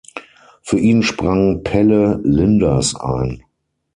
Für ihn sprang Pelle Linders ein.